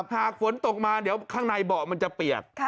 หากฝนตกมาเดี๋ยวข้างในเบาะมันจะเปียก